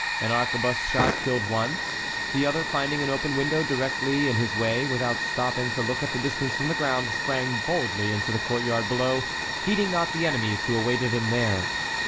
An arquebuse shot killed one; the other, finding an open window directly in his way, without stopping to look at the distance from the ground, sprang boldly into the courtyard below, heeding not the enemies who awaited him there.